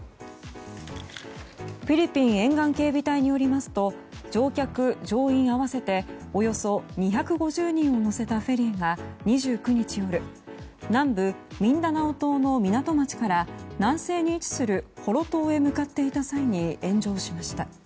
フィリピン沿岸警備隊によりますと乗客・乗員合わせておよそ２５０人を乗せたフェリーが２９日夜南部ミンダナオ島の港町から南西に位置するホロ島へ向かっていた際に炎上しました。